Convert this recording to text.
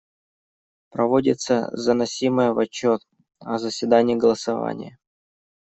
Проводится заносимое в отчет о заседании голосование.